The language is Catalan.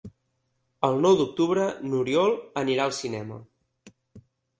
El nou d'octubre n'Oriol anirà al cinema.